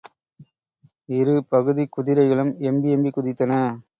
இரு பகுதிக் குதிரைகளும் எம்பி எம்பிக் குதித்தன.